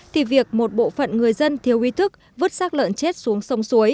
thì việc một bộ phận người dân thiếu uy thức vứt sạc lợn chết xuống sông